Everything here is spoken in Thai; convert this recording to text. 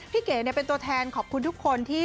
พี่เก๋เนี่ยเป็นตัวแทนขอบคุณทุกคนที่